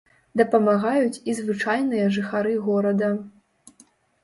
Дапамагаюць і звычайныя жыхары горада.